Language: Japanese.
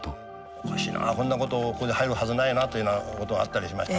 おかしいなこんなことここで入るはずないなというようなことあったりしまして。